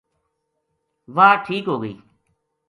واہ ٹھیک ہو گئی